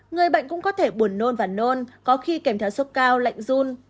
người bệnh cũng có thể buồn nôn và nôn có khi kèm theo sốc cao lạnh run